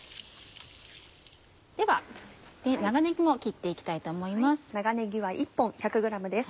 では長ねぎも切って行きたいと思います。